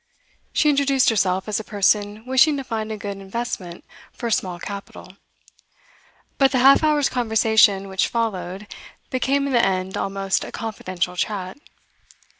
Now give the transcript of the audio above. She introduced herself as a person wishing to find a good investment for a small capital; but the half hour's conversation which followed became in the end almost a confidential chat.